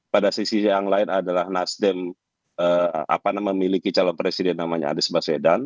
pada sisi yang lain adalah nasdem memiliki calon presiden namanya anies baswedan